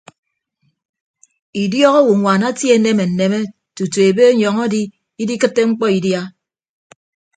Idiọk owonwaan atie aneme nneme tutu ebe anyọñ adi idikịtte mkpọ idia.